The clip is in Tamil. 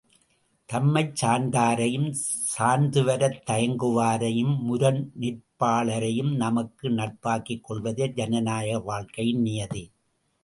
தம்மைச் சார்ந்தாரையும் சார்ந்துவரத் தயங்குவாரையும் முரண் நிற்பாளரையும் நமக்கு நட்பாக்கிக் கொள்வதே ஜனநாயக வாழ்க்கையின் நியதி.